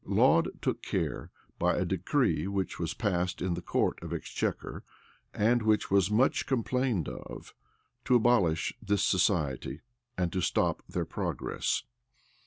Laud took care, by a decree which was passed in the court of exchequer, and which was much complained of, to abolish this society, and to stop their progress.